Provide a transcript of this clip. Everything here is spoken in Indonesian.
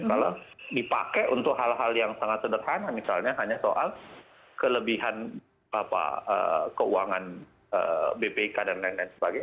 kalau dipakai untuk hal hal yang sangat sederhana misalnya hanya soal kelebihan keuangan bpk dan lain lain sebagainya